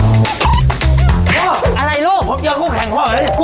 โอ๊ยอะไรลูกควบเตียวข้าวแข็งควบอะไรนี่คุ้ม